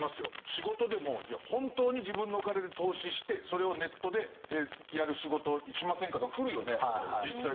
仕事でも本当に自分のお金で投資してそれをネットでやる仕事しませんか？とか来るよね実際。